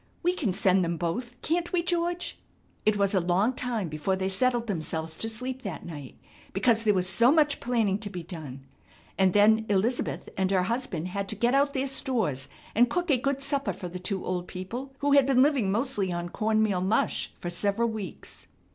We can send them both, can't we George?" It was a long time before they settled themselves to sleep that night because there was so much planning to be done, and then Elizabeth and her husband had to get out their stores and cook a good supper for the two old people who had been living mostly on corn meal mush, for several weeks.